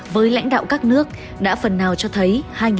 với lãnh đạo các nước đã phần nào cho thấy